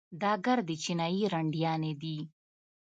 دا ګردې چينايي رنډيانې دي.